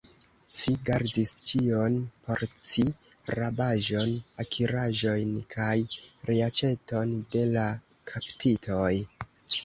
Ci gardis ĉion por ci, rabaĵon, akiraĵojn, kaj reaĉeton de la kaptitoj!